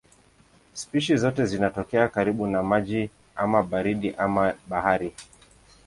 Spishi zote zinatokea karibu na maji ama baridi ama ya bahari.